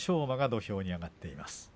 馬が土俵に上がっています。